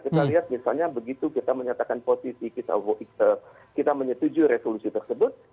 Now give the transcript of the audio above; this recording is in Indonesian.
kita lihat misalnya begitu kita menyatakan posisi kita menyetujui resolusi tersebut